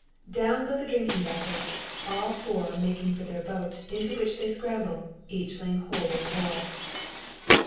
Down go the drinking vessels, all four making for their boat, into which they scramble, each laying hold of an oar.